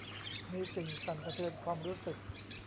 มีสิ่งสั่นสะเทือนความรู้สึก